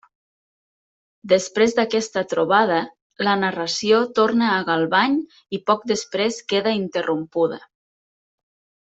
Després d'aquesta trobada, la narració torna a Galvany i poc després queda interrompuda.